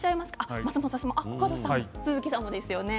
松本さん、コカドさん鈴木さんもですよね。